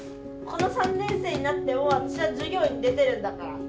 この３年生になっても私は授業に出てるんだから。